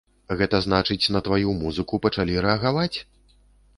Гэта значыць, на тваю музыку пачалі рэагаваць?